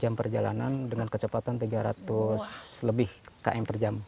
jam perjalanan dengan kecepatan tiga ratus lebih km per jam